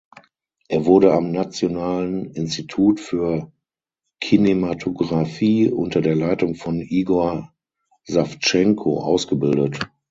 Er wurde am Nationalen Institut für Kinematographie unter der Leitung von Igor Sawtschenko ausgebildet.